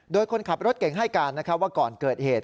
โดยคนขับรถเก่งให้การว่าก่อนเกิดเหตุ